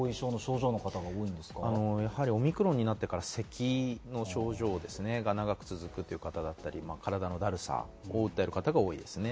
オミクロンになってから咳の症状が長く続くという方だったり、体のだるさを訴える方が多いですね。